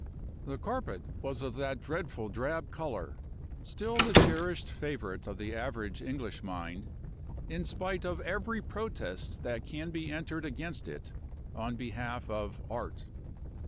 The carpet was of that dreadful drab color, still the cherished favorite of the average English mind, in spite of every protest that can be entered against it, on behalf of Art.